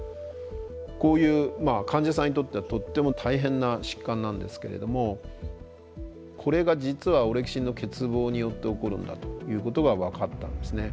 こういう患者さんにとってはとっても大変な疾患なんですけれどもこれが実はオレキシンの欠乏によって起こるんだということが分かったんですね。